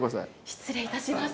失礼いたします。